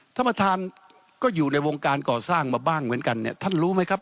ท่านประธานก็อยู่ในวงการก่อสร้างมาบ้างเหมือนกันเนี่ยท่านรู้ไหมครับ